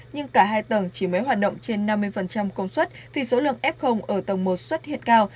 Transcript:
nhưng cả hai tầng chỉ mới hoạt động trên năm mươi công suất vì số lượng f ở tầng một xuất hiện cao